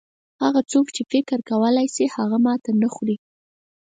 هغه څوک چې فکر کولای شي هغه ماته نه خوري.